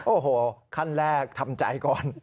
โอ้โหขั้นแรกทำใจก่อน